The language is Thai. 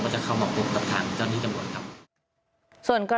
ก็จะเข้ามาพบกับฐานเจ้านี่จังหวังครับ